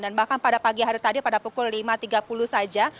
dan bahkan pada pagi hari tadi pada pukul lima tiga puluh saja